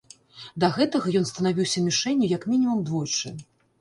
Да гэтага ён станавіўся мішэнню як мінімум двойчы.